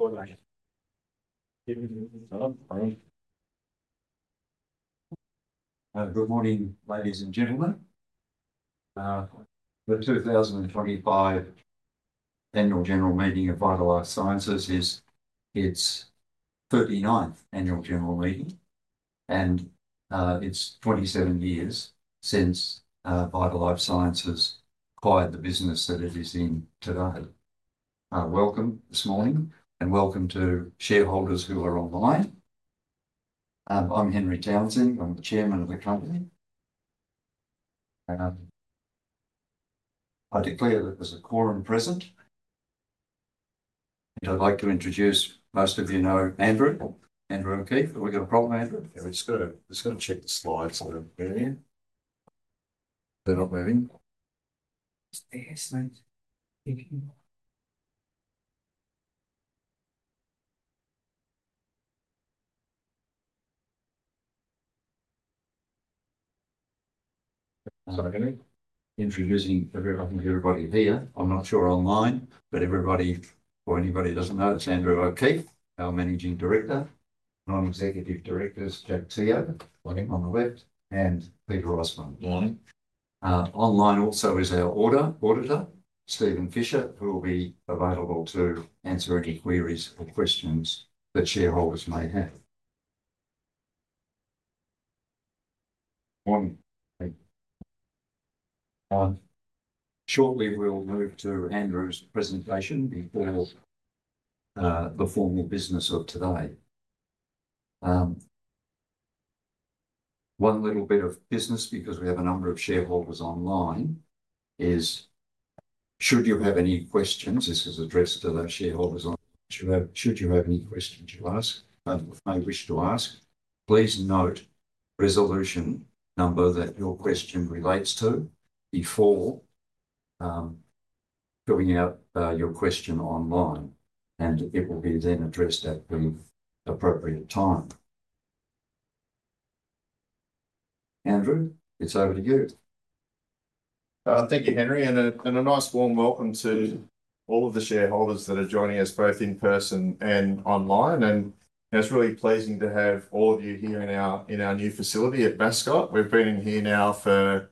Good morning, ladies and gentlemen. The 2025 annual general meeting of Vita Life Sciences is its 39th annual general meeting, and it's 27 years since Vita Life Sciences acquired the business that it is in today. Welcome this morning, and welcome to shareholders who are online. I'm Henry Townsing. I'm the Chairman of the company. I declare that there's a quorum present, and I'd like to introduce, most of you know, Andrew. Andrew, okay? Do we got a problem, Andrew? Yeah, let's go. Let's go and check the slides a little bit earlier. They're not moving. Sorry, Henry. Introducing everyone here. I'm not sure online, but everybody, or anybody who doesn't know, it's Andrew O'Keefe, our Managing Director. Non-Executive Directors, Jack Teoh on the left, and Peter Osborne. Online also is our auditor, Stephen Fisher, who will be available to answer any queries or questions that shareholders may have. Shortly, we'll move to Andrew's presentation before the formal business of today. One little bit of business, because we have a number of shareholders online, is should you have any questions, this is addressed to those shareholders. Should you have any questions you ask, may wish to ask, please note resolution number that your question relates to before filling out your question online, and it will be then addressed at the appropriate time. Andrew, it's over to you. Thank you, Henry, and a nice warm welcome to all of the shareholders that are joining us both in person and online. It is really pleasing to have all of you here in our new facility at Mascot. We have been here now for,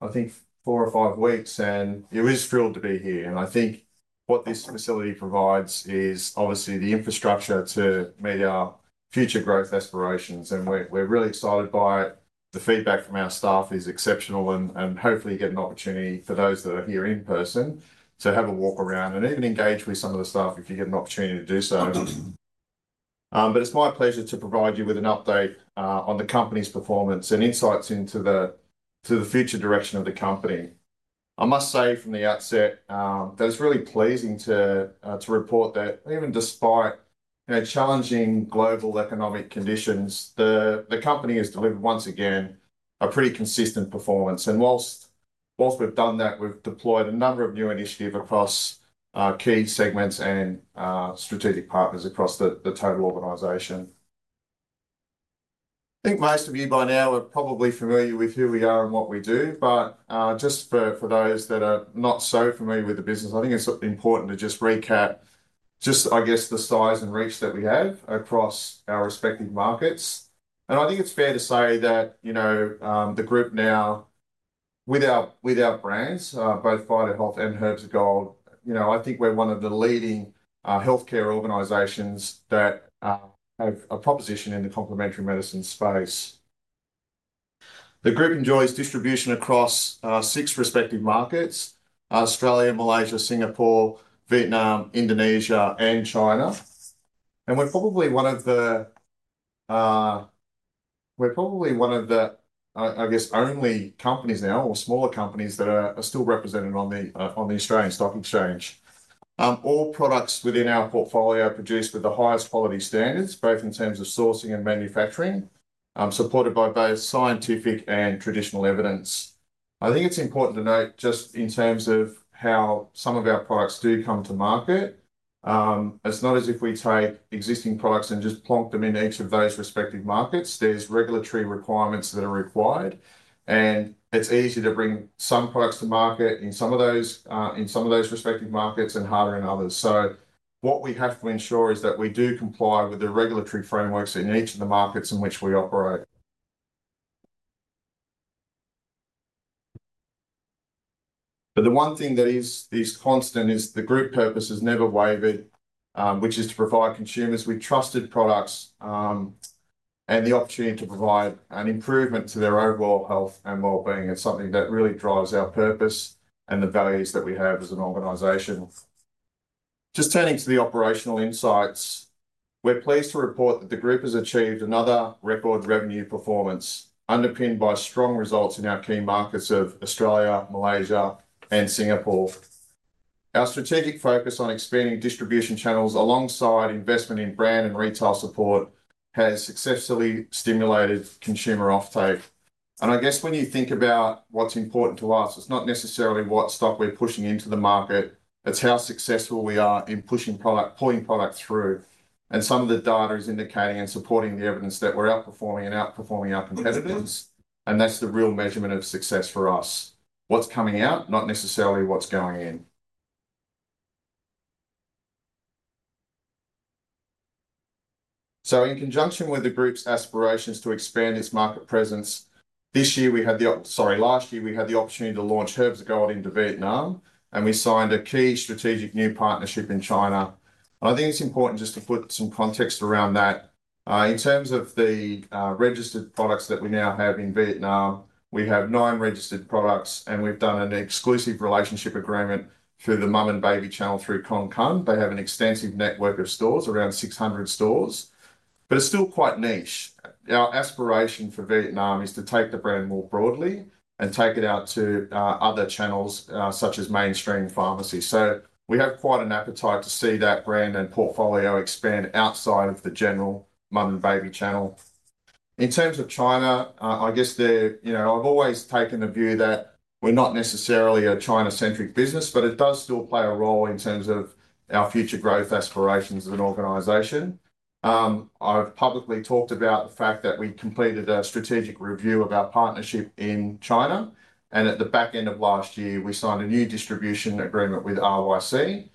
I think, four or five weeks, and it is thrilled to be here. I think what this facility provides is obviously the infrastructure to meet our future growth aspirations. We are really excited by it. The feedback from our staff is exceptional, and hopefully you get an opportunity for those that are here in person to have a walk around and even engage with some of the staff if you get an opportunity to do so. It is my pleasure to provide you with an update on the company's performance and insights into the future direction of the company. I must say from the outset that it's really pleasing to report that even despite challenging global economic conditions, the company has delivered once again a pretty consistent performance. Whilst we've done that, we've deployed a number of new initiatives across key segments and strategic partners across the total organisation. I think most of you by now are probably familiar with who we are and what we do, but just for those that are not so familiar with the business, I think it's important to just recap, just, I guess, the size and reach that we have across our respective markets. I think it's fair to say that the group now, with our brands, both VitaHealth and Herbs of Gold, I think we're one of the leading healthcare organisations that have a proposition in the complementary medicine space. The group enjoys distribution across six respective markets: Australia, Malaysia, Singapore, Vietnam, Indonesia, and China. We're probably one of the, I guess, only companies now, or smaller companies that are still represented on the Australian stock exchange. All products within our portfolio are produced with the highest quality standards, both in terms of sourcing and manufacturing, supported by both scientific and traditional evidence. I think it's important to note just in terms of how some of our products do come to market, it's not as if we take existing products and just plonk them in each of those respective markets. There are regulatory requirements that are required, and it's easy to bring some products to market in some of those respective markets and harder in others. What we have to ensure is that we do comply with the regulatory frameworks in each of the markets in which we operate. The one thing that is constant is the group purpose has never wavered, which is to provide consumers with trusted products and the opportunity to provide an improvement to their overall health and well-being. It is something that really drives our purpose and the values that we have as an organization. Just turning to the operational insights, we are pleased to report that the group has achieved another record revenue performance, underpinned by strong results in our key markets of Australia, Malaysia, and Singapore. Our strategic focus on expanding distribution channels alongside investment in brand and retail support has successfully stimulated consumer offtake. I guess when you think about what's important to us, it's not necessarily what stock we're pushing into the market, it's how successful we are in pushing product, pulling product through. Some of the data is indicating and supporting the evidence that we're outperforming and outperforming our competitors, and that's the real measurement of success for us. What's coming out, not necessarily what's going in. In conjunction with the group's aspirations to expand its market presence, this year we had the, sorry, last year we had the opportunity to launch Herbs of Gold into Vietnam, and we signed a key strategic new partnership in China. I think it's important just to put some context around that. In terms of the registered products that we now have in Vietnam, we have nine registered products, and we've done an exclusive relationship agreement through the mum-and-baby channel through Con Cưng. They have an extensive network of stores, around 600 stores, but it's still quite niche. Our aspiration for Vietnam is to take the brand more broadly and take it out to other channels such as mainstream pharmacy. We have quite an appetite to see that brand and portfolio expand outside of the general mum-and-baby channel. In terms of China, I guess I've always taken the view that we're not necessarily a China-centric business, but it does still play a role in terms of our future growth aspirations as an organization. I've publicly talked about the fact that we completed a strategic review of our partnership in China, and at the back end of last year, we signed a new distribution agreement with RYC,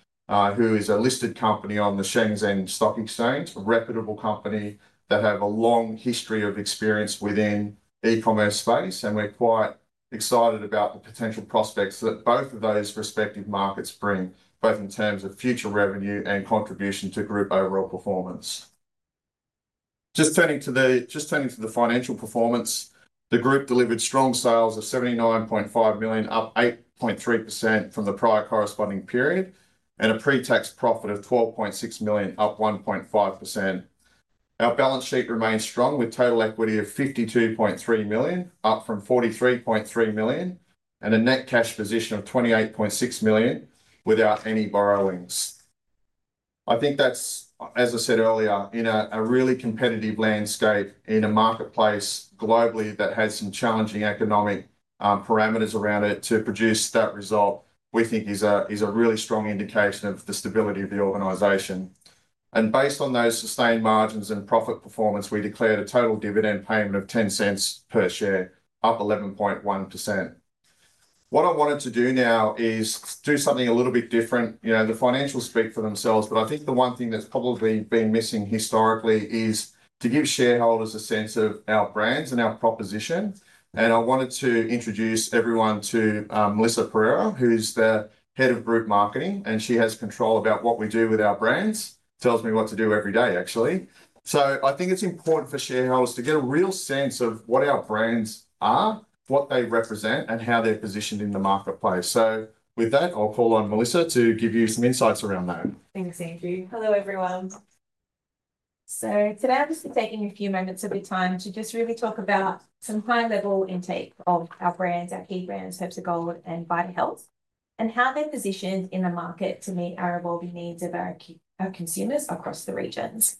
who is a listed company on the Shenzhen Stock Exchange, a reputable company that has a long history of experience within the e-commerce space. We're quite excited about the potential prospects that both of those respective markets bring, both in terms of future revenue and contribution to group overall performance. Just turning to the financial performance, the group delivered strong sales of 79.5 million, up 8.3% from the prior corresponding period, and a pre-tax profit of 12.6 million, up 1.5%. Our balance sheet remains strong with total equity of 52.3 million, up from 43.3 million, and a net cash position of 28.6 million without any borrowings. I think that's, as I said earlier, in a really competitive landscape in a marketplace globally that has some challenging economic parameters around it to produce that result, we think is a really strong indication of the stability of the organization. Based on those sustained margins and profit performance, we declared a total dividend payment of $0.10 per share, up 11.1%. What I wanted to do now is do something a little bit different. The financials speak for themselves, but I think the one thing that's probably been missing historically is to give shareholders a sense of our brands and our proposition. I wanted to introduce everyone to Melissa Pereira, who's the Head of Group Marketing, and she has control about what we do with our brands, tells me what to do every day, actually. I think it's important for shareholders to get a real sense of what our brands are, what they represent, and how they're positioned in the marketplace. With that, I'll call on Melissa to give you some insights around that. Thanks, Andrew. Hello, everyone. Today I'm just taking a few moments of your time to just really talk about some high-level intake of our brands, our key brands, Herbs of Gold and VitaHealth, and how they're positioned in the market to meet our evolving needs of our consumers across the regions.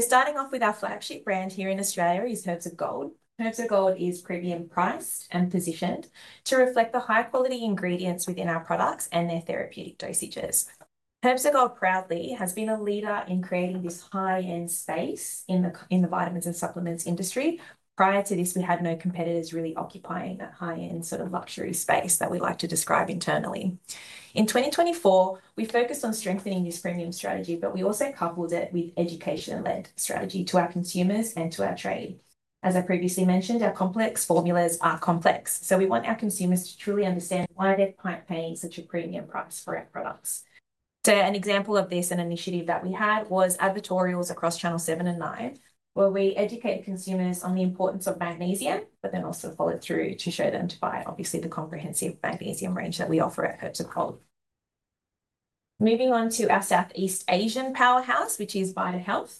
Starting off with our flagship brand here in Australia is Herbs of Gold. Herbs of Gold is premium priced and positioned to reflect the high-quality ingredients within our products and their therapeutic dosages. Herbs of Gold proudly has been a leader in creating this high-end space in the vitamins and supplements industry. Prior to this, we had no competitors really occupying that high-end sort of luxury space that we like to describe internally. In 2024, we focused on strengthening this premium strategy, but we also coupled it with an education-led strategy to our consumers and to our trade. As I previously mentioned, our complex formulas are complex, so we want our consumers to truly understand why they're paying such a premium price for our products. An example of this, an initiative that we had, was advertorials across Channel Seven and Nine, where we educated consumers on the importance of magnesium, but then also followed through to show them to buy, obviously, the comprehensive magnesium range that we offer at Herbs of Gold. Moving on to our Southeast Asian powerhouse, which is VitaHealth.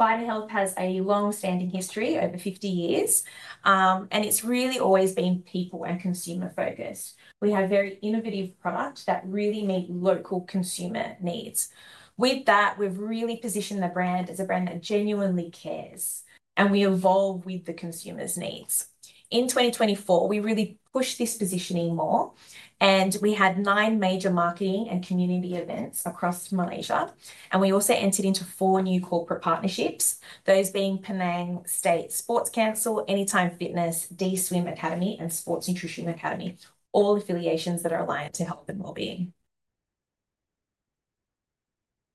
VitaHealth has a long-standing history, over 50 years, and it's really always been people and consumer-focused. We have very innovative products that really meet local consumer needs. With that, we've really positioned the brand as a brand that genuinely cares, and we evolve with the consumer's needs. In 2024, we really pushed this positioning more, and we had nine major marketing and community events across Malaysia, and we also entered into four new corporate partnerships, those being Penang State Sports Council, Anytime Fitness, D Swim Academy, and Sports Nutrition Academy, all affiliations that are aligned to health and well-being.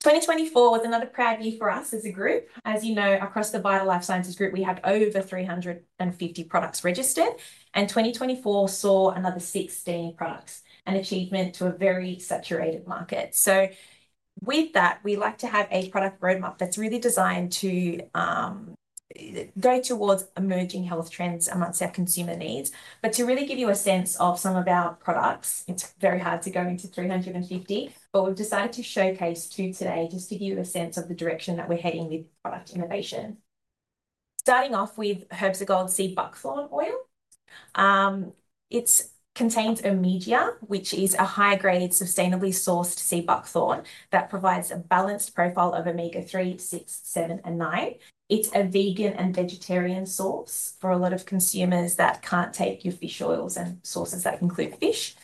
2024 was another proud year for us as a group. As you know, across the Vita Life Sciences group, we had over 350 products registered, and 2024 saw another 16 products, an achievement to a very saturated market. With that, we like to have a product roadmap that's really designed to go towards emerging health trends amongst our consumer needs. To really give you a sense of some of our products, it's very hard to go into 350, but we've decided to showcase two today just to give you a sense of the direction that we're heading with product innovation. Starting off with Herbs of Gold Sea Buckthorn Oil. It contains Omegia, which is a high-grade, sustainably sourced sea buckthorn that provides a balanced profile of Omega 3, 6, 7, and 9. It's a vegan and vegetarian source for a lot of consumers that can't take your fish oils and sources that include fish.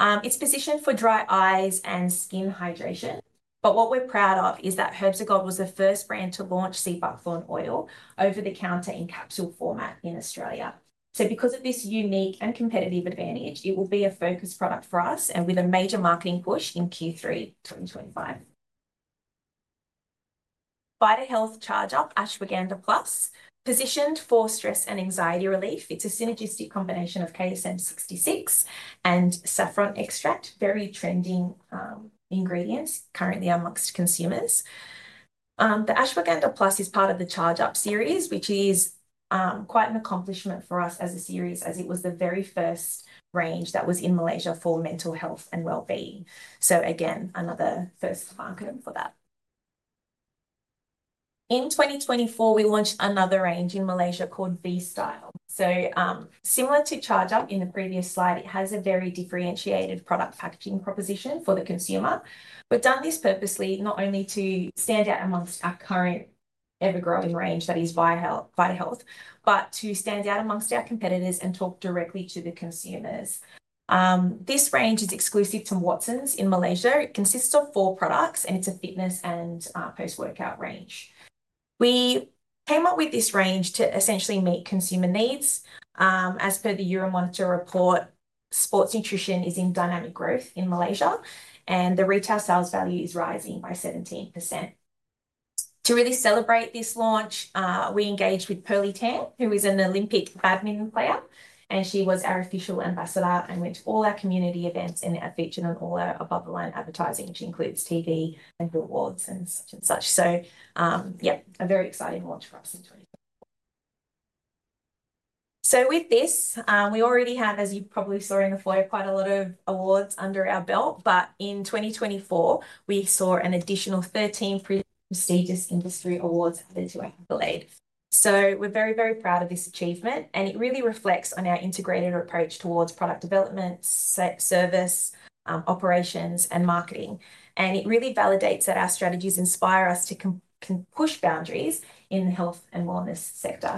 It's positioned for dry eyes and skin hydration, but what we're proud of is that Herbs of Gold was the first brand to launch sea buckthorn oil over the counter in capsule format in Australia. Because of this unique and competitive advantage, it will be a focus product for us and with a major marketing push in Q3 2025. VitaHealth Charge-Up Ashwagandha Plus, positioned for stress and anxiety relief. It's a synergistic combination of KSM-66 and saffron extract, very trending ingredients currently amongst consumers. The Ashwagandha Plus is part of the Charge-Up series, which is quite an accomplishment for us as a series, as it was the very first range that was in Malaysia for mental health and well-being. Again, another first marker for that. In 2024, we launched another range in Malaysia called V-Style. Similar to Charge-Up in the previous slide, it has a very differentiated product packaging proposition for the consumer. We've done this purposely not only to stand out amongst our current ever-growing range, that is Vital Health, but to stand out amongst our competitors and talk directly to the consumers. This range is exclusive to Watsons in Malaysia. It consists of four products, and it's a fitness and post-workout range. We came up with this range to essentially meet consumer needs. As per the Euromonitor report, sports nutrition is in dynamic growth in Malaysia, and the retail sales value is rising by 17%. To really celebrate this launch, we engaged with Pearly Tan, who is an Olympic badminton player, and she was our official ambassador and went to all our community events and our feature and all our above-the-line advertising, which includes TV and awards and such and such. Yeah, a very exciting launch for us in 2024. With this, we already have, as you probably saw in the flyer, quite a lot of awards under our belt. In 2024, we saw an additional 13 prestigious industry awards added to our blade. We are very, very proud of this achievement, and it really reflects on our integrated approach towards product development, service, operations, and marketing. It really validates that our strategies inspire us to push boundaries in the health and wellness sector.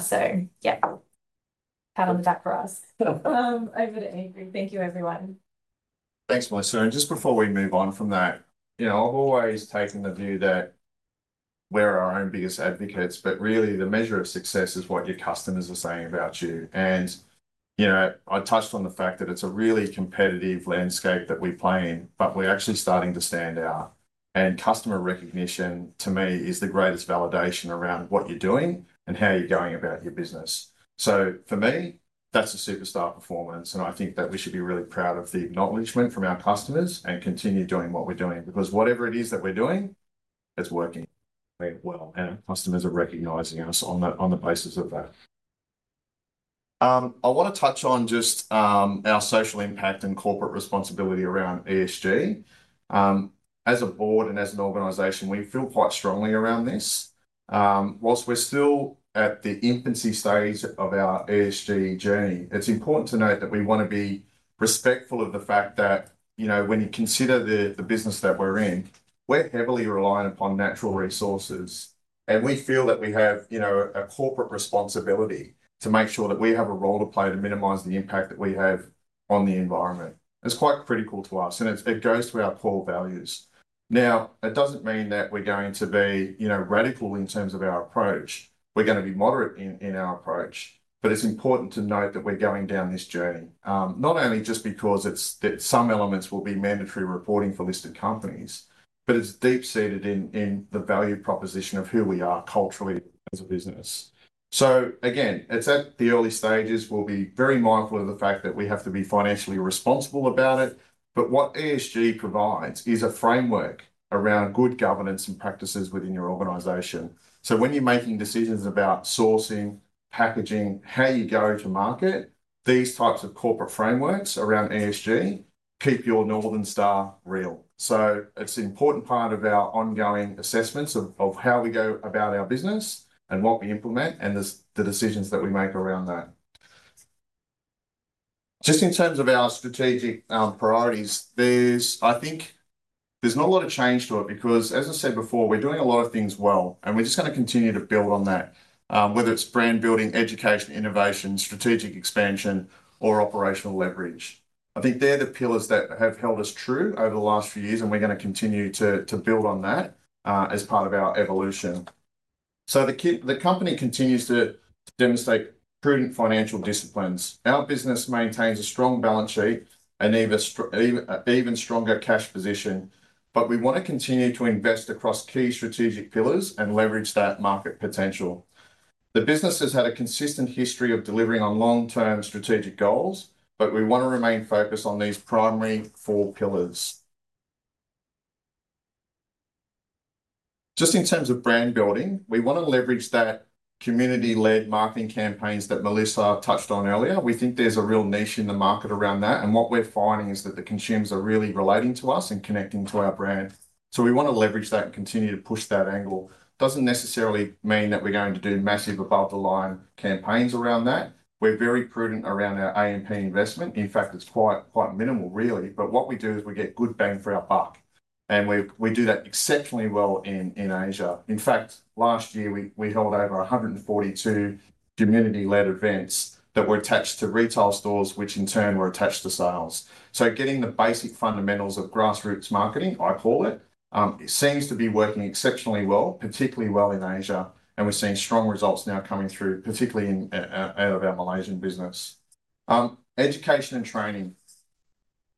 Power with that for us. Over to Andrew. Thank you, everyone. Thanks, Melissa. Just before we move on from that, I've always taken the view that we're our own biggest advocates, but really the measure of success is what your customers are saying about you. I touched on the fact that it's a really competitive landscape that we play in, but we're actually starting to stand out. Customer recognition, to me, is the greatest validation around what you're doing and how you're going about your business. For me, that's a superstar performance, and I think that we should be really proud of the acknowledgement from our customers and continue doing what we're doing because whatever it is that we're doing, it's working really well. Customers are recognizing us on the basis of that. I want to touch on just our social impact and corporate responsibility around ESG. As a board and as an organization, we feel quite strongly around this. Whilst we're still at the infancy stage of our ESG journey, it's important to note that we want to be respectful of the fact that when you consider the business that we're in, we're heavily reliant upon natural resources, and we feel that we have a corporate responsibility to make sure that we have a role to play to minimize the impact that we have on the environment. It's quite critical to us, and it goes to our core values. Now, it doesn't mean that we're going to be radical in terms of our approach. We're going to be moderate in our approach, but it's important to note that we're going down this journey, not only just because some elements will be mandatory reporting for listed companies, but it's deep-seated in the value proposition of who we are culturally as a business. Again, it's at the early stages. We'll be very mindful of the fact that we have to be financially responsible about it, but what ESG provides is a framework around good governance and practices within your organization. When you're making decisions about sourcing, packaging, how you go to market, these types of corporate frameworks around ESG keep your northern star real. It's an important part of our ongoing assessments of how we go about our business and what we implement and the decisions that we make around that. Just in terms of our strategic priorities, I think there's not a lot of change to it because, as I said before, we're doing a lot of things well, and we're just going to continue to build on that, whether it's brand building, education, innovation, strategic expansion, or operational leverage. I think they're the pillars that have held us true over the last few years, and we're going to continue to build on that as part of our evolution. The company continues to demonstrate prudent financial disciplines. Our business maintains a strong balance sheet and even stronger cash position, but we want to continue to invest across key strategic pillars and leverage that market potential. The business has had a consistent history of delivering on long-term strategic goals, but we want to remain focused on these primary four pillars. Just in terms of brand building, we want to leverage that community-led marketing campaigns that Melissa touched on earlier. We think there's a real niche in the market around that, and what we're finding is that the consumers are really relating to us and connecting to our brand. We want to leverage that and continue to push that angle. It doesn't necessarily mean that we're going to do massive above-the-line campaigns around that. We're very prudent around our A&P investment. In fact, it's quite minimal, really. What we do is we get good bang for our buck, and we do that exceptionally well in Asia. In fact, last year, we held over 142 community-led events that were attached to retail stores, which in turn were attached to sales. Getting the basic fundamentals of grassroots marketing, I call it, seems to be working exceptionally well, particularly well in Asia, and we're seeing strong results now coming through, particularly out of our Malaysian business. Education and training.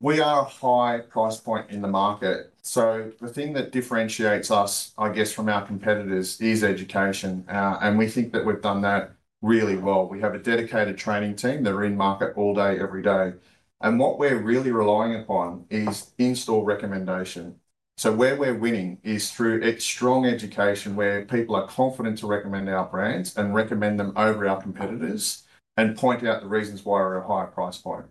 We are a high price point in the market. The thing that differentiates us, I guess, from our competitors is education, and we think that we've done that really well. We have a dedicated training team that are in market all day, every day. What we're really relying upon is in-store recommendation. Where we're winning is through strong education where people are confident to recommend our brands and recommend them over our competitors and point out the reasons why we're a high price point.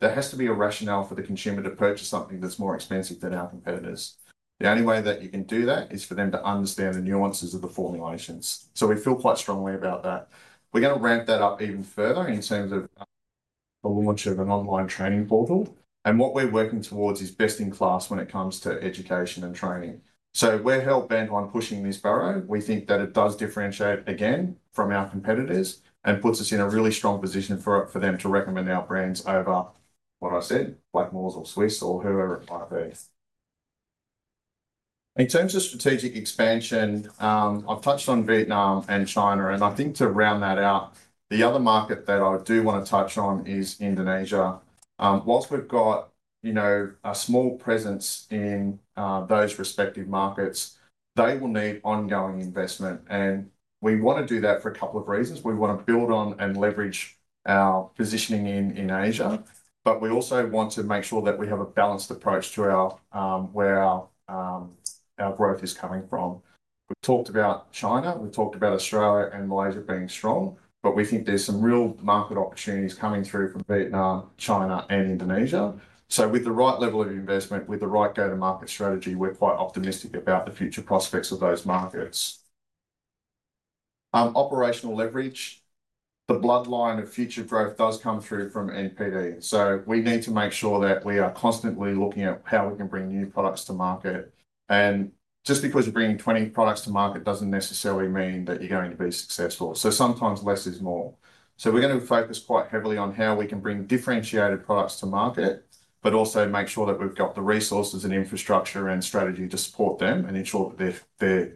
There has to be a rationale for the consumer to purchase something that's more expensive than our competitors. The only way that you can do that is for them to understand the nuances of the formulations. We feel quite strongly about that. We are going to ramp that up even further in terms of the launch of an online training portal. What we are working towards is best in class when it comes to education and training. We are hell-bent on pushing this barrow. We think that it does differentiate, again, from our competitors and puts us in a really strong position for them to recommend our brands over, what I said, Blackmores or Swisse or whoever it might be. In terms of strategic expansion, I have touched on Vietnam and China, and I think to round that out, the other market that I do want to touch on is Indonesia. Whilst we've got a small presence in those respective markets, they will need ongoing investment, and we want to do that for a couple of reasons. We want to build on and leverage our positioning in Asia, but we also want to make sure that we have a balanced approach to where our growth is coming from. We've talked about China. We've talked about Australia and Malaysia being strong, but we think there's some real market opportunities coming through from Vietnam, China, and Indonesia. With the right level of investment, with the right go-to-market strategy, we're quite optimistic about the future prospects of those markets. Operational leverage. The bloodline of future growth does come through from NPD. We need to make sure that we are constantly looking at how we can bring new products to market. Just because you're bringing 20 products to market does not necessarily mean that you're going to be successful. Sometimes less is more. We are going to focus quite heavily on how we can bring differentiated products to market, but also make sure that we have the resources and infrastructure and strategy to support them and ensure that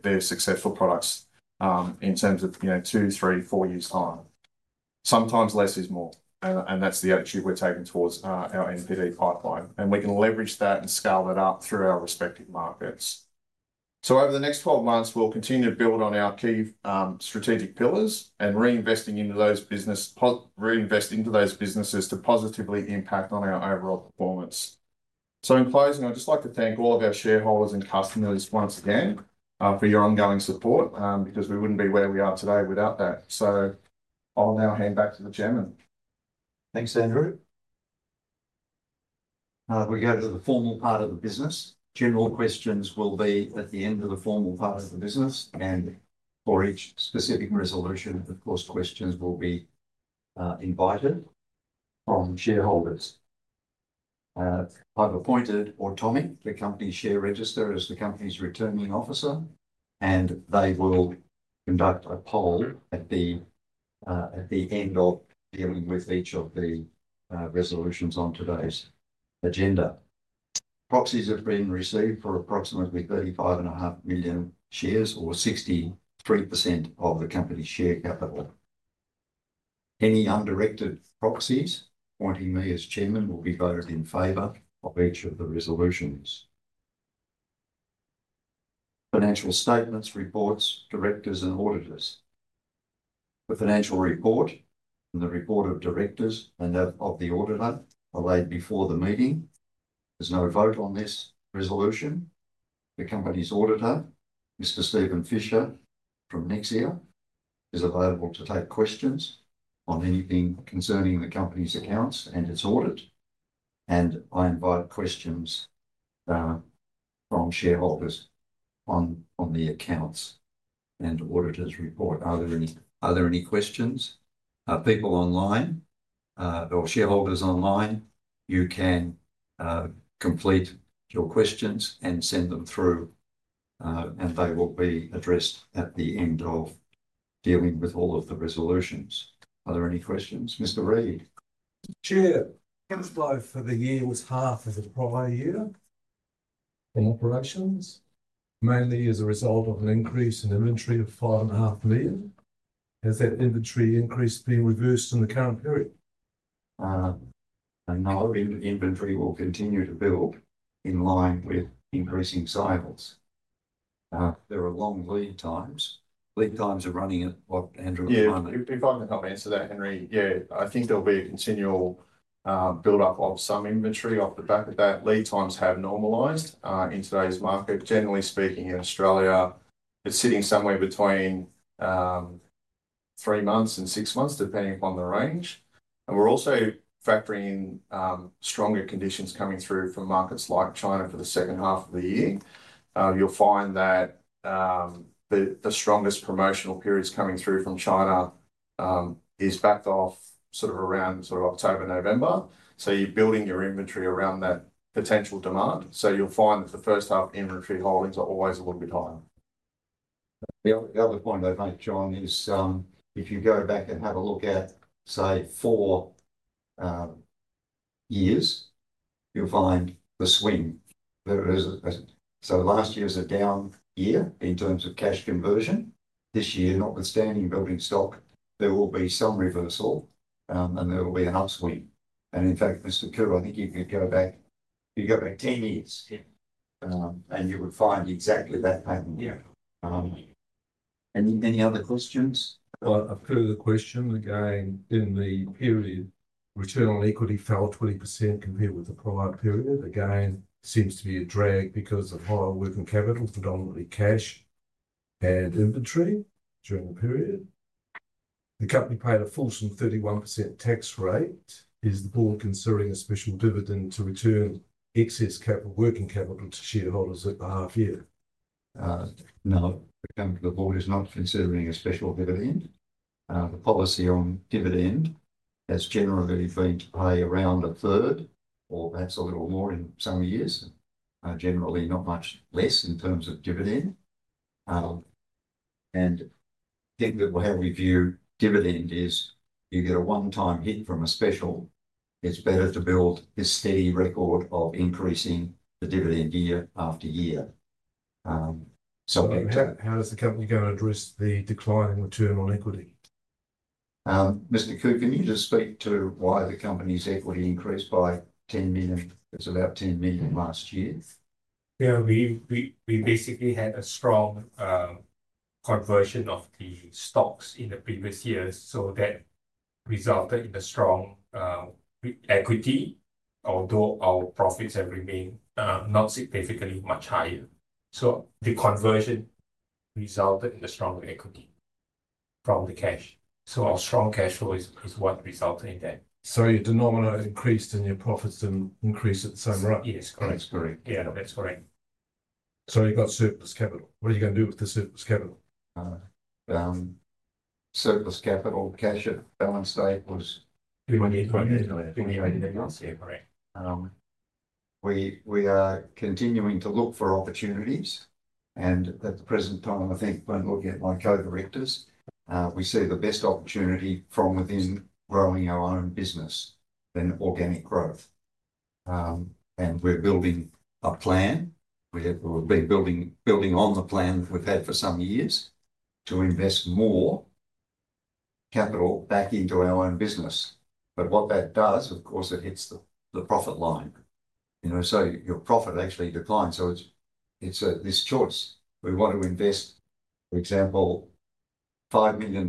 they are successful products in terms of two, three, four years' time. Sometimes less is more, and that is the attitude we are taking towards our NPD pipeline. We can leverage that and scale that up through our respective markets. Over the next 12 months, we will continue to build on our key strategic pillars and reinvest into those businesses to positively impact on our overall performance. In closing, I'd just like to thank all of our shareholders and customers once again for your ongoing support because we wouldn't be where we are today without that. I'll now hand back to the Chairman. Thanks, Andrew. We'll go to the formal part of the business. General questions will be at the end of the formal part of the business, and for each specific resolution, of course, questions will be invited from shareholders. I've appointed Automic, the company share register, as the company's returning officer, and they will conduct a poll at the end of dealing with each of the resolutions on today's agenda. Proxies have been received for approximately 35.5 million shares or 63% of the company's share capital. Any undirected proxies appointing me as Chairman will be voted in favor of each of the resolutions. Financial statements, reports, directors, and auditors. The financial report and the report of directors and of the auditor are laid before the meeting. There's no vote on this resolution. The company's auditor, Mr. Stephen Fisher from Nexia is available to take questions on anything concerning the company's accounts and its audit. I invite questions from shareholders on the accounts and auditor's report. Are there any questions? People online or shareholders online, you can complete your questions and send them through, and they will be addressed at the end of dealing with all of the resolutions. Are there any questions, Mr. Reed? Chair, inflow for the year was half of the prior year in operations, mainly as a result of an increase in inventory of 5.5 million. Has that inventory increase been reversed in the current period? No. Inventory will continue to build in line with increasing cycles. There are long lead times. Lead times are running at what, Andrew? Yeah. You're probably not going to answer that, Henry. Yeah. I think there'll be a continual build-up of some inventory off the back of that. Lead times have normalized in today's market. Generally speaking, in Australia, it's sitting somewhere between three months and six months, depending upon the range. We're also factoring in stronger conditions coming through from markets like China for the second half of the year. You'll find that the strongest promotional periods coming through from China is backed off sort of around October, November. You're building your inventory around that potential demand. You'll find that the first-half inventory holdings are always a little bit higher. The other point I'd make, John, is if you go back and have a look at, say, four years, you'll find the swing. Last year was a down year in terms of cash conversion. This year, notwithstanding building stock, there will be some reversal, and there will be an upswing. In fact, Mr. Khoo, I think you could go back, you go back 10 years, and you would find exactly that pattern. Any other questions? I've got a further question. Again, in the period, return on equity fell 20% compared with the prior period. Again, seems to be a drag because of higher working capital, predominantly cash and inventory during the period. The company paid a full 31% tax rate. Is the board considering a special dividend to return excess working capital to shareholders at the half-year? No. The board is not considering a special dividend. The policy on dividend has generally been to pay around a third or perhaps a little more in some years, generally not much less in terms of dividend. I think that how we view dividend is you get a one-time hit from a special. It is better to build a steady record of increasing the dividend year after year. How does the company go to address the declining return on equity? Mr. Khoo, can you just speak to why the company's equity increased by 10 million? It's about 10 million last year. Yeah. We basically had a strong conversion of the stocks in the previous years, so that resulted in a strong equity, although our profits have remained not significantly much higher. The conversion resulted in a stronger equity from the cash. Our strong cash flow is what resulted in that. You denominate increase in your profits and increase at the same rate? Yes. Correct. That's correct. Yeah. That's correct. You've got surplus capital. What are you going to do with the surplus capital? Surplus capital, cash at balance state, was AUD 28 million. Yeah. Correct. We are continuing to look for opportunities. At the present time, I think, when I look at my co-directors, we see the best opportunity from within growing our own business, than organic growth. We are building a plan. We have been building on the plan that we have had for some years to invest more capital back into our own business. What that does, of course, is it hits the profit line. Your profit actually declines. It is this choice. We want to invest, for example, AUD 5 million,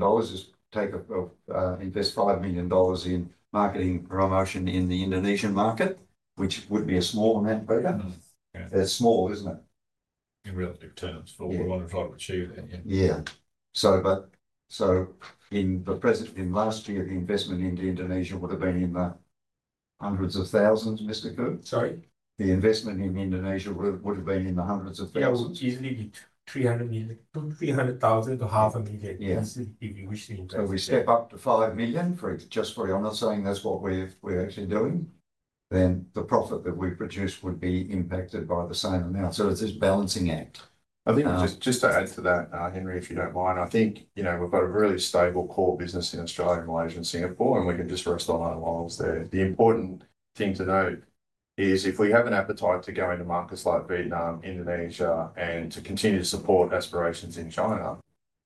to invest 5 million dollars in marketing promotion in the Indonesian market, which would be a small amount, but it is small, is it not? In relative terms, but we want to try to achieve that. Yeah. In the last year, the investment into Indonesia would have been in the hundreds of thousands, Mr. Khoo? Sorry? The investment in Indonesia would have been in the hundreds of thousands. Easily 300,000. 300,000-500,000. Yeah. Easily if you wish to invest. We step up to 5 million. Just for your not saying that's what we're actually doing, then the profit that we produce would be impacted by the same amount. It's this balancing act. I think just to add to that, Henry, if you do not mind, I think we have got a really stable core business in Australia, Malaysia, and Singapore, and we can just rest on our laurels there. The important thing to note is if we have an appetite to go into markets like Vietnam, Indonesia, and to continue to support aspirations in China,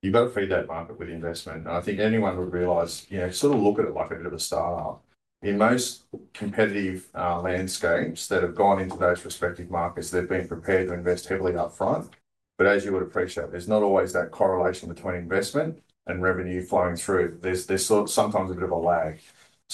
you have got to feed that market with investment. I think anyone would realize sort of look at it like a bit of a startup. In most competitive landscapes that have gone into those respective markets, they have been prepared to invest heavily upfront. As you would appreciate, there is not always that correlation between investment and revenue flowing through. There is sometimes a bit of a lag.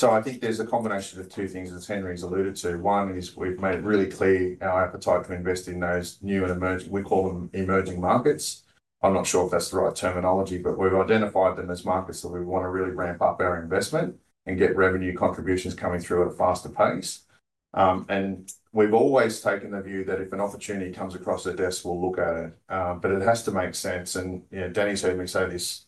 I think there is a combination of two things that Henry has alluded to. One is we've made it really clear our appetite to invest in those new and emerging—we call them emerging markets. I'm not sure if that's the right terminology, but we've identified them as markets that we want to really ramp up our investment and get revenue contributions coming through at a faster pace. We've always taken the view that if an opportunity comes across the desk, we'll look at it. It has to make sense. Danny's heard me say this,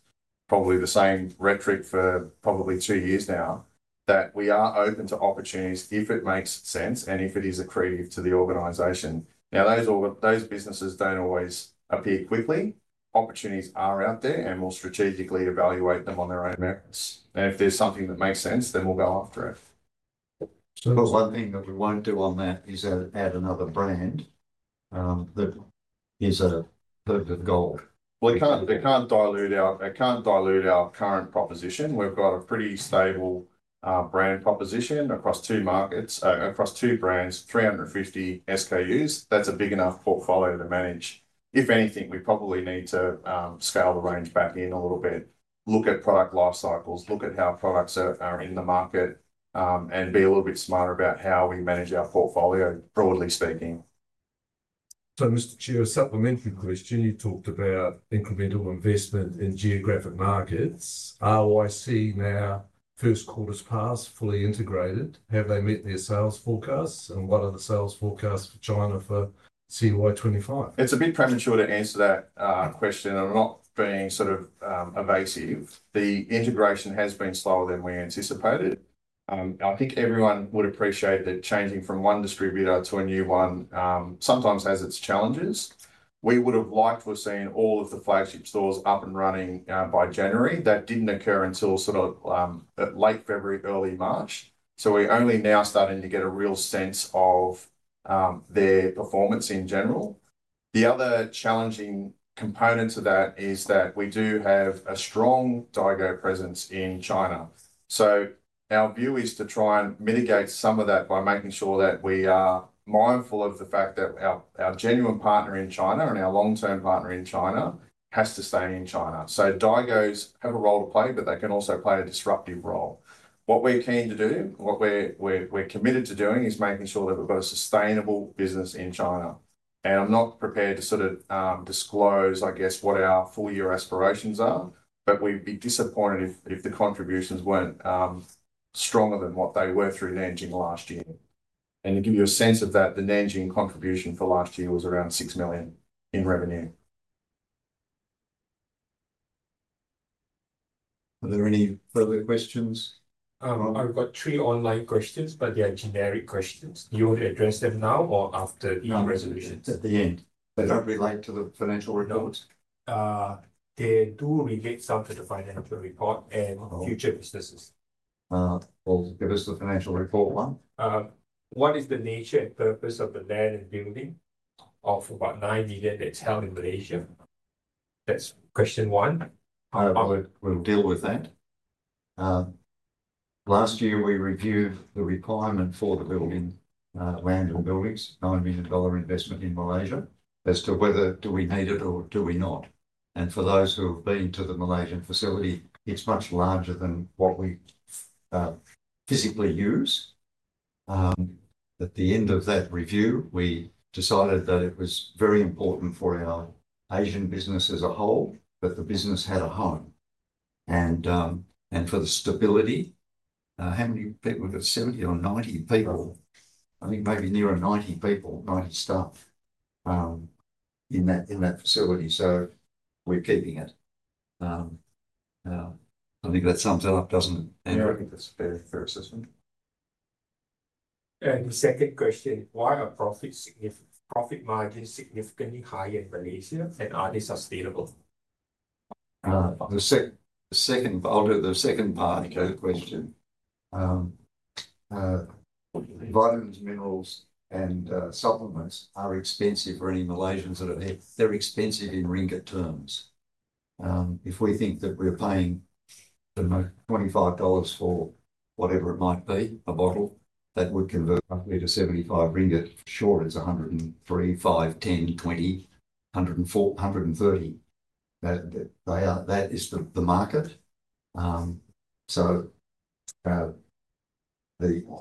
probably the same rhetoric for probably two years now, that we are open to opportunities if it makes sense and if it is accretive to the organisation. Now, those businesses do not always appear quickly. Opportunities are out there, and we'll strategically evaluate them on their own merits. If there's something that makes sense, then we'll go after it. One thing that we won't do on that is add another brand. That is a perfect goal. We can't dilute our current proposition. We've got a pretty stable brand proposition across two markets, across two brands, 350 SKUs. That's a big enough portfolio to manage. If anything, we probably need to scale the range back in a little bit, look at product life cycles, look at how products are in the market, and be a little bit smarter about how we manage our portfolio, broadly speaking. Mr. Chair, a supplementary question. You talked about incremental investment in geographic markets. Are we seeing our first quarter's pass fully integrated? Have they met their sales forecasts? What are the sales forecasts for China for CY 2025? It's a bit premature to answer that question. I'm not being sort of evasive. The integration has been slower than we anticipated. I think everyone would appreciate that changing from one distributor to a new one sometimes has its challenges. We would have liked to have seen all of the flagship stores up and running by January. That did not occur until sort of late February, early March. We are only now starting to get a real sense of their performance in general. The other challenging component to that is that we do have a strong Daigou presence in China. Our view is to try and mitigate some of that by making sure that we are mindful of the fact that our genuine partner in China and our long-term partner in China has to stay in China. Daigous have a role to play, but they can also play a disruptive role. What we're keen to do, what we're committed to doing, is making sure that we've got a sustainable business in China. I'm not prepared to sort of disclose, I guess, what our full-year aspirations are, but we'd be disappointed if the contributions were not stronger than what they were through Nanjing last year. To give you a sense of that, the Nanjing contribution for last year was around 6 million in revenue. Are there any further questions? I've got three online questions, but they are generic questions. Do you want to address them now or after the resolutions? At the end. They don't relate to the financial report. No. They do relate some to the financial report and future businesses. Give us the financial report one. What is the nature and purpose of the land and building of about 9 million that's held in Malaysia? That's question one. I will deal with that. Last year, we reviewed the requirement for the land and buildings, 9 million dollar investment in Malaysia as to whether we need it or do we not. For those who have been to the Malaysian facility, it is much larger than what we physically use. At the end of that review, we decided that it was very important for our Asian business as a whole, that the business had a home. For the stability, how many people? We have 70 or 90 people. I think maybe nearer 90 people, 90 staff in that facility. We are keeping it. I think that sums it up, does it not? Yeah. The second question, why are profit margins significantly high in Malaysia, and are they sustainable? The second part, the question. Vitamins, minerals, and supplements are expensive for any Malaysians that are there. They're expensive in ringgit terms. If we think that we're paying $25 for whatever it might be, a bottle, that would convert roughly to 75 ringgit. Short is 103, 5, 10, 20, 130. That is the market.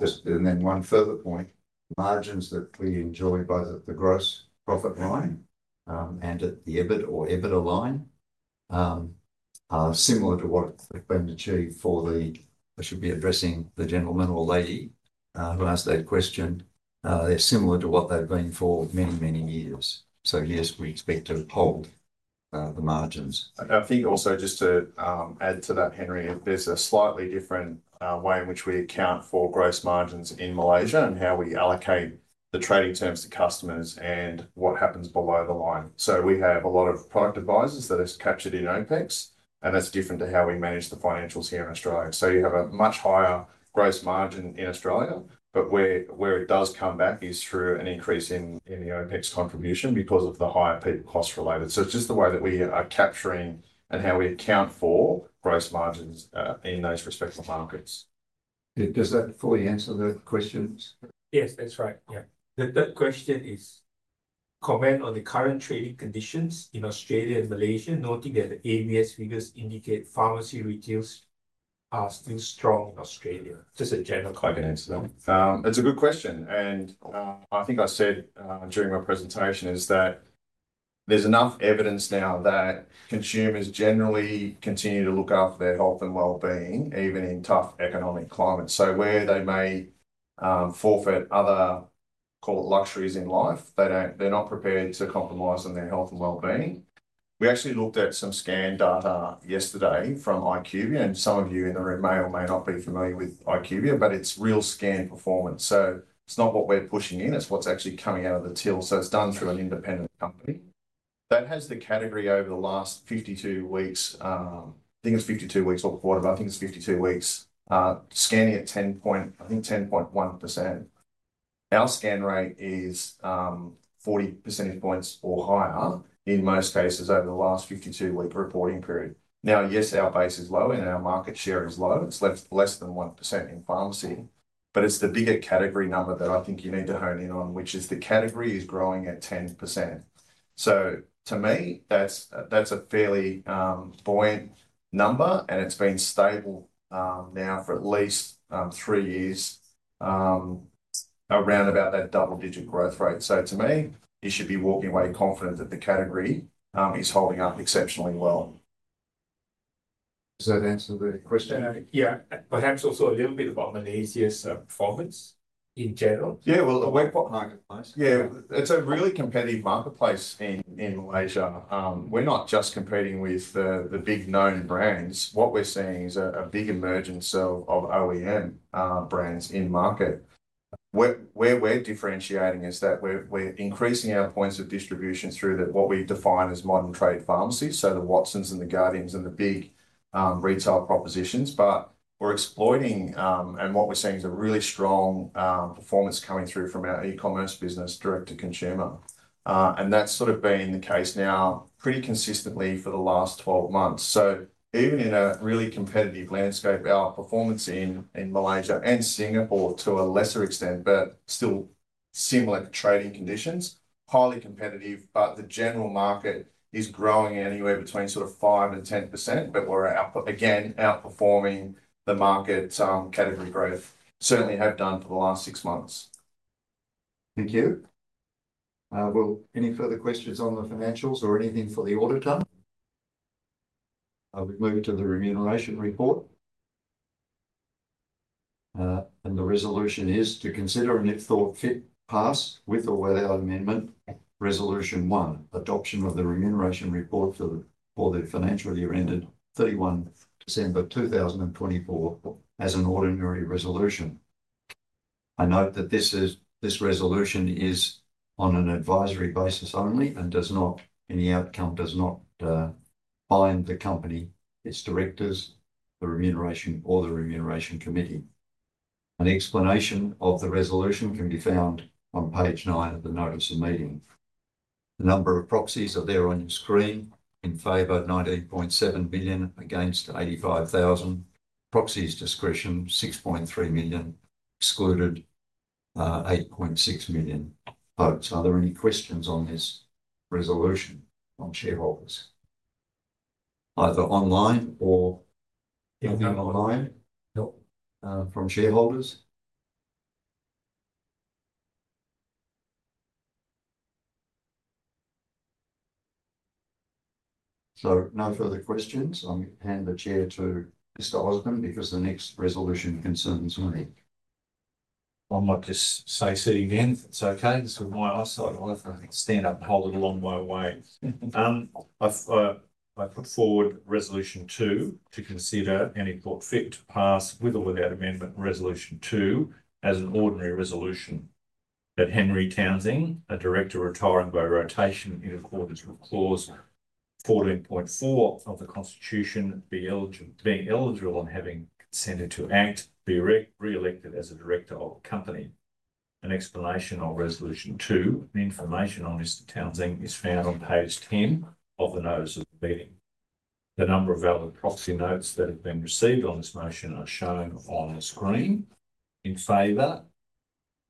Just one further point, margins that we enjoy both at the gross profit line and at the EBIT or EBITDA line are similar to what they've been achieved for the—I should be addressing the gentleman or lady who asked that question. They're similar to what they've been for many, many years. Yes, we expect to hold the margins. I think also just to add to that, Henry, there's a slightly different way in which we account for gross margins in Malaysia and how we allocate the trading terms to customers and what happens below the line. We have a lot of product advisors that are captured in OPEX, and that's different to how we manage the financials here in Australia. You have a much higher gross margin in Australia, but where it does come back is through an increase in the OPEX contribution because of the higher cost-related. It's just the way that we are capturing and how we account for gross margins in those respective markets. Does that fully answer the questions? Yes, that's right. Yeah. That question is comment on the current trading conditions in Australia and Malaysia, noting that the IQVIA figures indicate pharmacy retails are still strong in Australia. Just a general question. Quite good answer. That's a good question. I think I said during my presentation is that there's enough evidence now that consumers generally continue to look after their health and well-being, even in tough economic climates. Where they may forfeit other luxuries in life, they're not prepared to compromise on their health and well-being. We actually looked at some scan data yesterday from IQVIA, and some of you in the room may or may not be familiar with IQVIA, but it's real scan performance. It's not what we're pushing in. It's what's actually coming out of the till. It's done through an independent company. That has the category over the last 52 weeks—I think it's 52 weeks or quarter; I think it's 52 weeks—scanning at 10.1%. Our scan rate is 40 percentage points or higher in most cases over the last 52-week reporting period. Now, yes, our base is low and our market share is low. It's less than 1% in pharmacy, but it's the bigger category number that I think you need to hone in on, which is the category is growing at 10%. To me, that's a fairly buoyant number, and it's been stable now for at least three years, around about that double-digit growth rate. To me, you should be walking away confident that the category is holding up exceptionally well. Does that answer the question? Yeah. Perhaps also a little bit about Malaysia's performance in general. Yeah. A wet pot marketplace. Yeah. It's a really competitive marketplace in Malaysia. We're not just competing with the big known brands. What we're seeing is a big emergence of OEM brands in market. Where we're differentiating is that we're increasing our points of distribution through what we define as modern trade pharmacies, so the Watsons and the Guardians and the big retail propositions. We're exploiting, and what we're seeing is a really strong performance coming through from our e-commerce business, direct-to-consumer. That's sort of been the case now pretty consistently for the last 12 months. Even in a really competitive landscape, our performance in Malaysia and Singapore to a lesser extent, but still similar trading conditions, highly competitive, but the general market is growing anywhere between 5%-10%, but we're again outperforming the market category growth. Certainly have done for the last six months. Thank you. Any further questions on the financials or anything for the auditor? We have moved to the remuneration report. The resolution is to consider and, if thought fit, pass with or without amendment, resolution one, adoption of the remuneration report for the financial year ended 31 December 2024 as an ordinary resolution. I note that this resolution is on an advisory basis only and any outcome does not bind the company, its directors, the remuneration, or the remuneration committee. An explanation of the resolution can be found on page nine of the notice of meeting. The number of proxies are there on your screen. In favor, 19.7 million; against, 85,000. Proxies discretion, 6.3 million; excluded, 8.6 million votes. Are there any questions on this resolution from shareholders, either online or in the online from shareholders? No further questions. I'll hand the chair to Mr. Osman because the next resolution concerns me. I might just say, sitting in, it's okay. This is my eyesight. I'll stand up and hold it along my way. I put forward resolution two to consider any thought fit to pass with or without amendment resolution two as an ordinary resolution that Henry Townsend, a director retiring by rotation in accordance with clause 14.4 of the constitution, being eligible and having consented to act, be re-elected as a director of a company. An explanation on resolution two, an information on Mr. Townsend, is found on page 10 of the notice of meeting. The number of valid proxy notes that have been received on this motion are shown on the screen. In favor,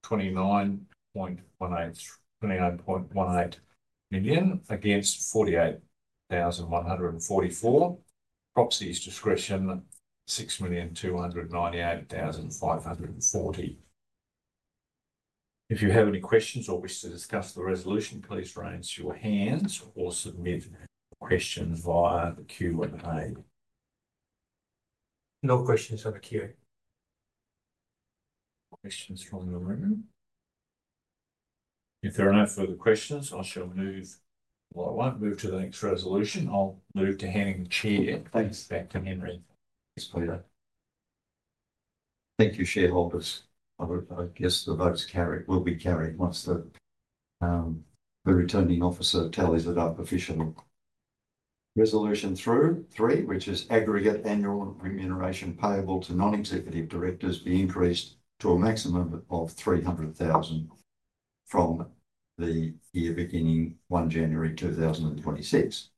29.18 million against 48,144. Proxies discretion, 6,298,540. If you have any questions or wish to discuss the resolution, please raise your hands or submit questions via the Q&A. No questions on the Q&A. Questions from the room? If there are no further questions, I shall move. I won't move to the next resolution. I will move to handing the chair back to Henry. Thank you, shareholders. I guess the votes will be carried once the returning officer tell us that our provisional resolution through three, which is aggregate annual remuneration payable to non-executive directors, be increased to a maximum of 300,000 from the year beginning 1 January 2026.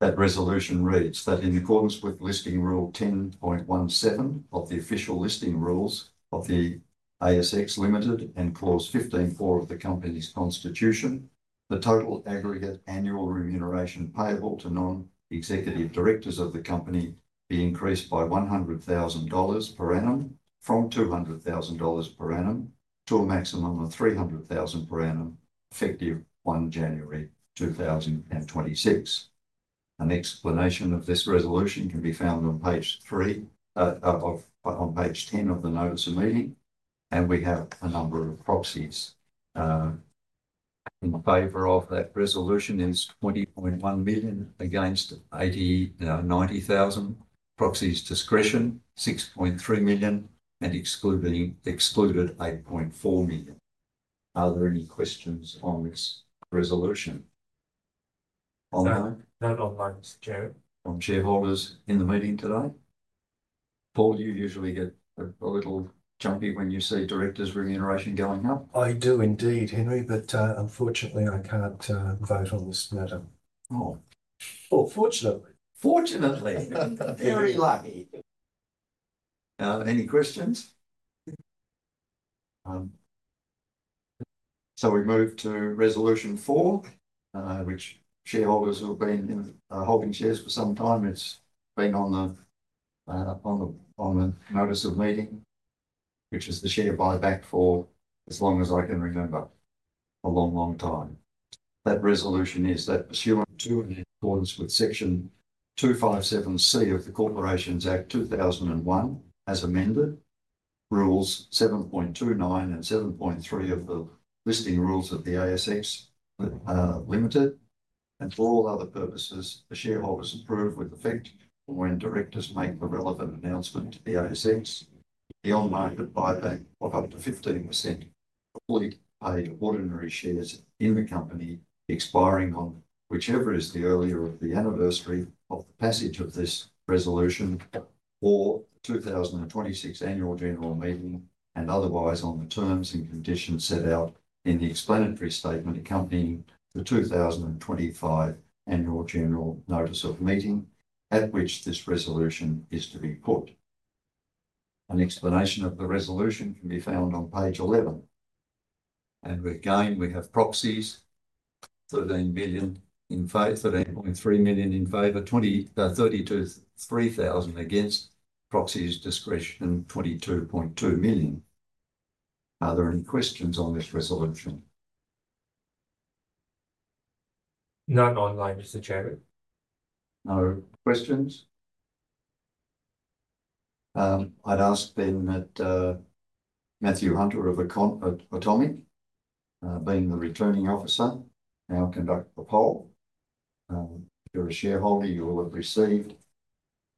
That resolution reads that in accordance with listing rule 10.17 of the official listing rules of the ASX and clause 15.4 of the company's constitution, the total aggregate annual remuneration payable to non-executive directors of the company be increased by 100,000 dollars per annum from 200,000 dollars per annum to a maximum of 300,000 per annum effective 1 January 2026. An explanation of this resolution can be found on page 10 of the notice of meeting. We have a number of proxies. In favour of that resolution is 20.1 million, against 90,000. Proxies discretion, 6.3 million, and excluded 8.4 million. Are there any questions on this resolution? Not online, Mr. Chair. From shareholders in the meeting today? Paul, you usually get a little jumpy when you see directors' remuneration going up. I do indeed, Henry, but unfortunately, I can't vote on this matter. Oh, fortunately. Fortunately. Very lucky. Any questions? We move to resolution four, which shareholders have been holding shares for some time. It's been on the notice of meeting, which is the share buyback for, as long as I can remember, a long, long time. That resolution is that pursuant to and in accordance with section 257C of the Corporations Act 2001 as amended, rules 7.29 and 7.3 of the listing rules of the ASX Ltd., and for all other purposes, the shareholders approved with effect when directors make the relevant announcement to the ASX, the on-market buyback of up to 15% fully paid ordinary shares in the company expiring on whichever is the earlier of the anniversary of the passage of this resolution or the 2026 annual general meeting and otherwise on the terms and conditions set out in the explanatory statement accompanying the 2025 annual general notice of meeting at which this resolution is to be put. An explanation of the resolution can be found on page 11. We have proxies 13 million in favour, 13.3 million in favour, 32,000 against proxies discretion, 22.2 million. Are there any questions on this resolution? None online, Mr. Chair. No questions? I'd ask then that Mathew Hunter of Automic, being the returning officer, now conduct the poll. If you're a shareholder, you will have received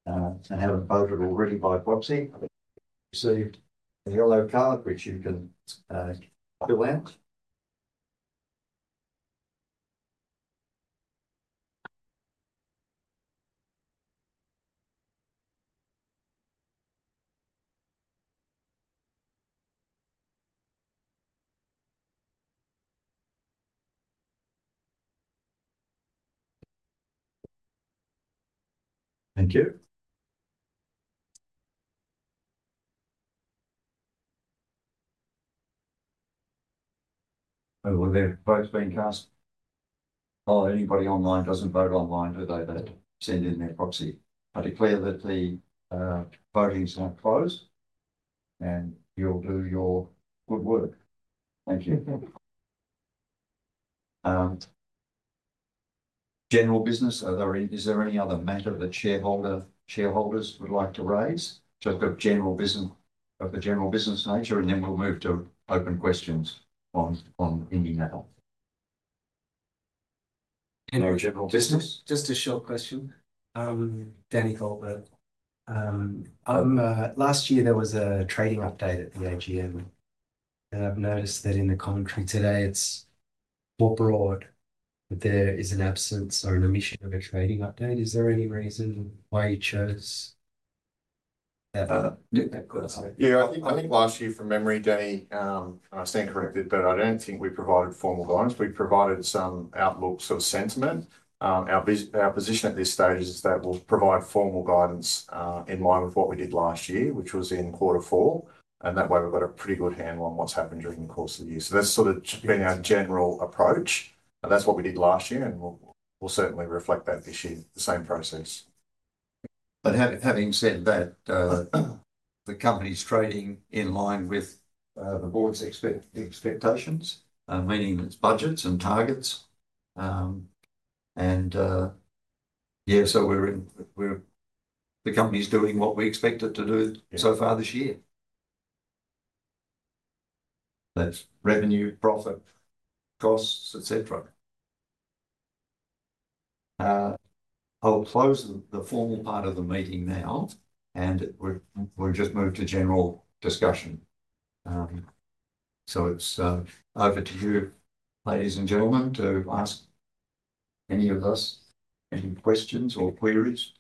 and have voted already by proxy. Received a yellow card, which you can fill out. Thank you. Were there votes being cast? Oh, anybody online doesn't vote online, do they? They send in their proxy. Are they clear that the voting is now closed? And you'll do your good work. Thank you. General business, is there any other matter that shareholders would like to raise? Just the general business of the general business nature, and then we'll move to open questions on any matter. Any general business? Just a short question. Danny Colbert. Last year, there was a trading update at the AGM, and I've noticed that in the commentary today, it's more broad that there is an absence or an omission of a trading update. Is there any reason why you chose that? Yeah, I think last year, from memory, Danny, and I stand corrected, but I don't think we provided formal guidance. We provided some outlooks of sentiment. Our position at this stage is that we'll provide formal guidance in line with what we did last year, which was in quarter four. That way, we've got a pretty good handle on what's happened during the course of the year. That's sort of been our general approach. That's what we did last year, and we'll certainly reflect that this year, the same process. Having said that, the company's trading in line with the board's expectations, meaning its budgets and targets. Yeah, so the company's doing what we expected it to do so far this year. That's revenue, profit, costs, etc. I'll close the formal part of the meeting now, and we'll just move to general discussion. It's over to you, ladies and gentlemen, to ask any of us any questions or queries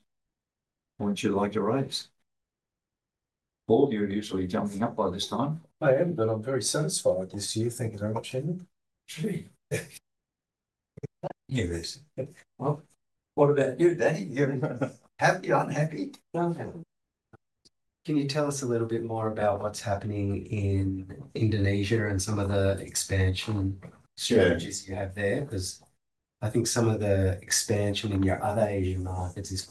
or what you'd like to raise. Paul, you're usually jumping up by this time. I am, but I'm very satisfied this year. Thank you very much, Henry. What about you, Danny? You're happy, unhappy? Can you tell us a little bit more about what's happening in Indonesia and some of the expansion strategies you have there? I think some of the expansion in your other Asian markets is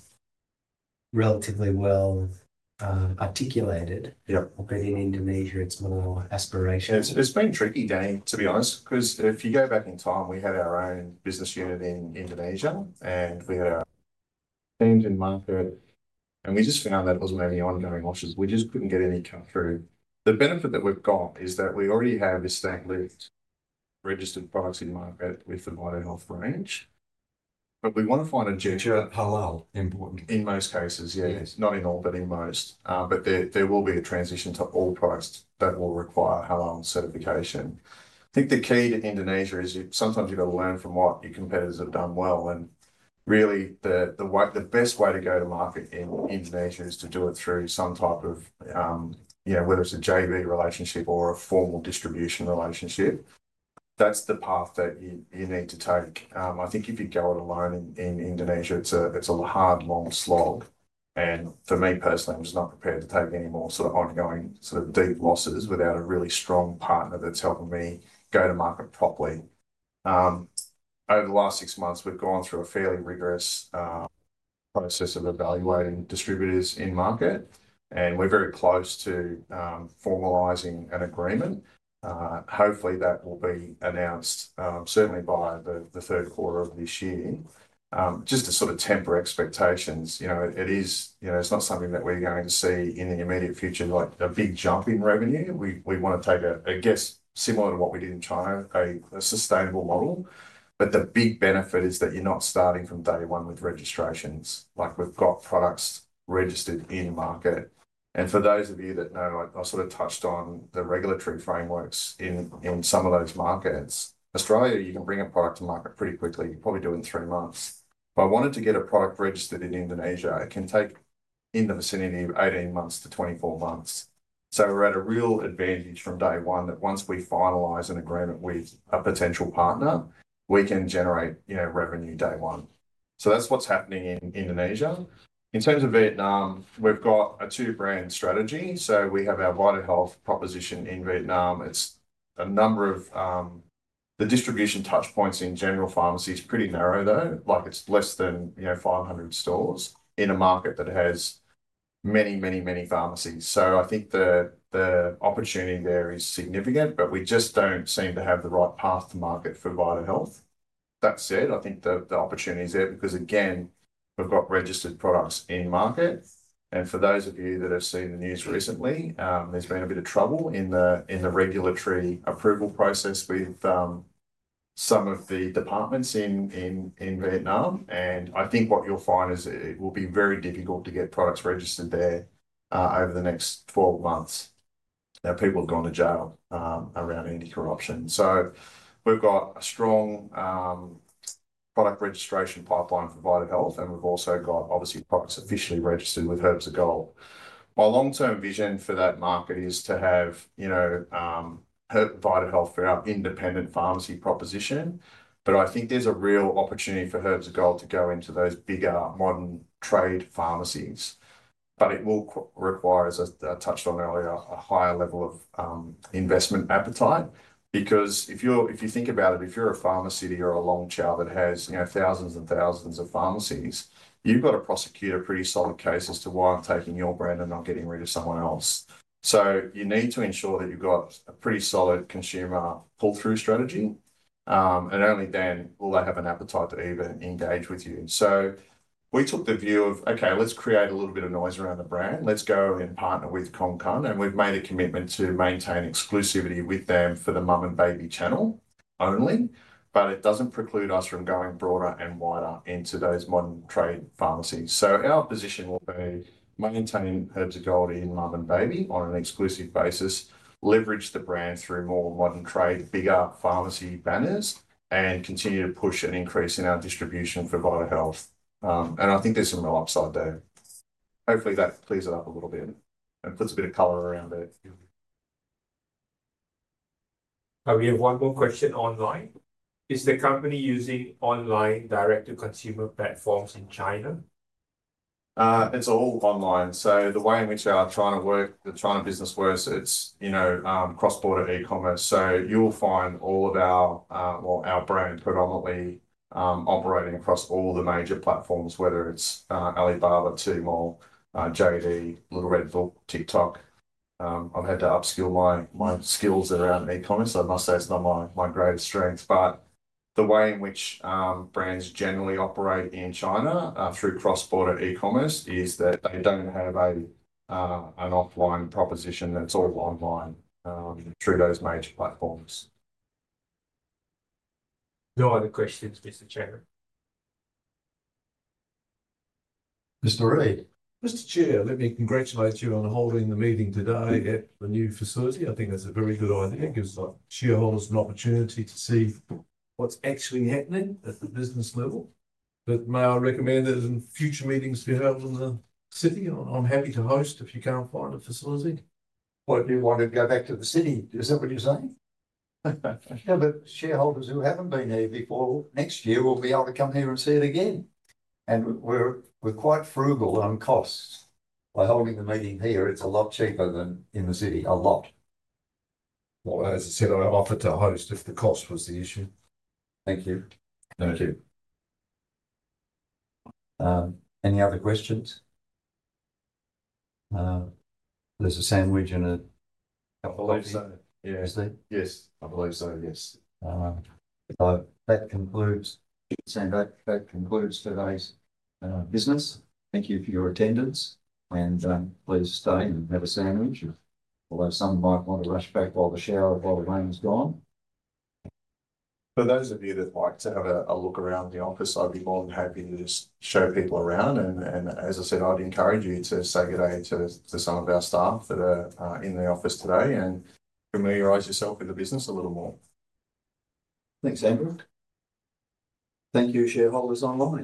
relatively well articulated. In Indonesia, it's more aspirational. It's been tricky, Danny, to be honest, because if you go back in time, we had our own business unit in Indonesia, and we had our teams in market. We just found that it wasn't any ongoing offers. We just couldn't get any cut through. The benefit that we've got is that we already have established registered products in market with the Vita Health range. We want to find a generic halal important. In most cases, yes. Not in all, but in most. There will be a transition to all products that will require halal certification. I think the key to Indonesia is sometimes you've got to learn from what your competitors have done well. Really, the best way to go to market in Indonesia is to do it through some type of, whether it's a JV relationship or a formal distribution relationship. That's the path that you need to take. I think if you go it alone in Indonesia, it's a hard, long slog. For me personally, I'm just not prepared to take any more sort of ongoing sort of deep losses without a really strong partner that's helping me go to market properly. Over the last six months, we've gone through a fairly rigorous process of evaluating distributors in market, and we're very close to formalizing an agreement. Hopefully, that will be announced certainly by the third quarter of this year. Just to sort of temper expectations, it's not something that we're going to see in the immediate future, like a big jump in revenue. We want to take a guess similar to what we did in China, a sustainable model. The big benefit is that you're not starting from day one with registrations. We've got products registered in market. And for those of you that know, I sort of touched on the regulatory frameworks in some of those markets. Australia, you can bring a product to market pretty quickly. You're probably doing three months. But I wanted to get a product registered in Indonesia. It can take in the vicinity of 18-24 months. So we're at a real advantage from day one that once we finalise an agreement with a potential partner, we can generate revenue day one. That's what's happening in Indonesia. In terms of Vietnam, we've got a two-brand strategy. We have our VitaHealth proposition in Vietnam. The distribution touchpoints in general pharmacies are pretty narrow, though. It's less than 500 stores in a market that has many, many, many pharmacies. I think the opportunity there is significant, but we just do not seem to have the right path to market for VitaHealth. That said, I think the opportunity is there because, again, we have got registered products in market. For those of you that have seen the news recently, there has been a bit of trouble in the regulatory approval process with some of the departments in Vietnam. I think what you will find is it will be very difficult to get products registered there over the next 12 months. People have gone to jail around anti-corruption. We have got a strong product registration pipeline for VitaHealth, and we have also got, obviously, products officially registered with Herbs of Gold. My long-term vision for that market is to have VitaHealth for our independent pharmacy proposition. I think there is a real opportunity for Herbs of Gold to go into those bigger modern trade pharmacies. It will require, as I touched on earlier, a higher level of investment appetite. If you think about it, if you are a Pharmacity or a Long Châu that has thousands and thousands of pharmacies, you have to prosecute a pretty solid case as to why I am taking your brand and not getting rid of someone else. You need to ensure that you have a pretty solid consumer pull-through strategy. Only then will they have an appetite to even engage with you. We took the view of, okay, let's create a little bit of noise around the brand. Let's go and partner with Con Cưng. We have made a commitment to maintain exclusivity with them for the mum-and-baby channel only. It does not preclude us from going broader and wider into those modern trade pharmacies. Our position will be to maintain Herbs of Gold in mum-and baby-on an exclusive basis, leverage the brand through more modern trade, bigger pharmacy banners, and continue to push an increase in our distribution for VitaHealth. I think there is some real upside there. Hopefully, that clears it up a little bit and puts a bit of color around it. We have one more question online. Is the company using online direct-to-consumer platforms in China? It's all online. The way in which our China business works, it's cross-border e-commerce. You'll find all of our brand predominantly operating across all the major platforms, whether it's Alibaba, Tmall, JD.com, Xiaohongshu, TikTok. I've had to upskill my skills around e-commerce. I must say it's not my greatest strength. The way in which brands generally operate in China through cross-border e-commerce is that they don't have an offline proposition; it's all online through those major platforms. No other questions, Mr. Chair. Mr. Reed. Mr. Chair, let me congratulate you on holding the meeting today at the new facility. I think that's a very good idea because shareholders have an opportunity to see what's actually happening at the business level. May I recommend that in future meetings be held in the city? I'm happy to host if you can't find a facility. If you want to go back to the city, is that what you're saying? Yeah, but shareholders who haven't been here before, next year, will be able to come here and see it again. We're quite frugal on costs. By holding the meeting here, it's a lot cheaper than in the city, a lot. As I said, I offered to host if the cost was the issue. Thank you. Thank you. Any other questions? There's a sandwich and a couple of those. Yes. Yes. I believe so, yes. That concludes today's business. Thank you for your attendance. Please stay and have a sandwich, although some might want to rush back while the shower, while the rain's gone. For those of you that'd like to have a look around the office, I'd be more than happy to just show people around. As I said, I'd encourage you to say good day to some of our staff that are in the office today and familiarise yourself with the business a little more. Thanks, Andrew. Thank you, shareholders, online.